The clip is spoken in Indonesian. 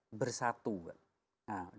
dengan bersatu mulai pemikiran jiwa dan kebijakan